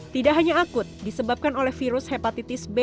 tidak hanya akut disebabkan oleh virus hepatitis b